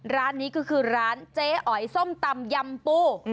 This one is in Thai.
ร้านนี้ก็คือร้านเจ๊อ๋อยส้มตำยำปู